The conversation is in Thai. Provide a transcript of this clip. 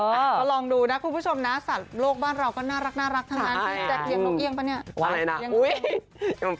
ก็ลองดูนะคุณผู้ชมนะสัตว์โลกบ้านเราก็น่ารักทั้งนั้นพี่แจ๊คเลี้ยนกเอี่ยงป่ะเนี่ย